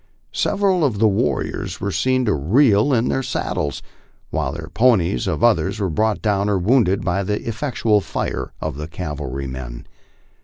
Several of the warriors were seen to reel in. their sad 66 MY LIFE ON THE PLAINS. dies, while the ponies of others were brought down or wounded by the effectual fire of the cavalrymen.